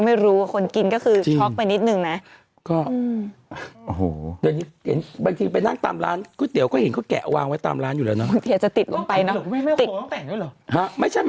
บางทีไปนั่งตามร้านก๋วยเตี๋ยว